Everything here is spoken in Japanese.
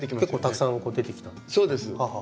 結構たくさん出てきたんですか？